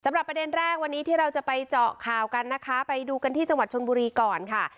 ประเด็นแรกวันนี้ที่เราจะไปเจาะข่าวกันนะคะไปดูกันที่จังหวัดชนบุรีก่อนค่ะ